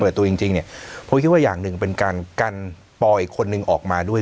เบอร์ตัวจริงเพราะว่าอย่างหนึ่งเป็นการกันทรรย์อีกคนนึงออกมาด้วย